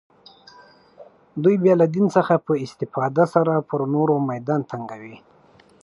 دوی بیا له دین څخه په استفاده سره پر نورو میدان تنګوي